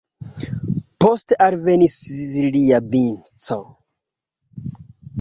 Poste alvenis lia vico.